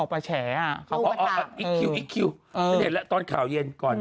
ป่ะเหมือนกันป่ะเขาแชร์กันอยู่เนี่ย